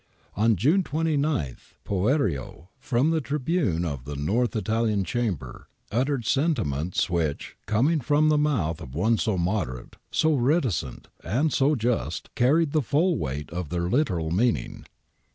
On June 29 Poerio, from the tribune of the North Italian Chamber, uttered sentiments which, coming from the mouth of one so moderate, so reticent, and so just, carried the full weight of their literal meaning.